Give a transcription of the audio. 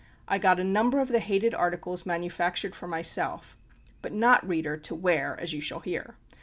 I got a number of the hated articles manufactured for myself, but not, reader, to wear, as you shall hear.